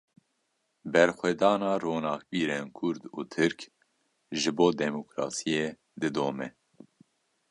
Berxwedana ronakbîrên Kurd û Tirk, ji bo demokrasiyê didome